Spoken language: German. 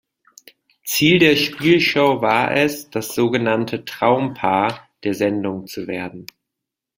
Ziel der Spielshow war es, das sogenannte „Traumpaar“ der Sendung zu werden.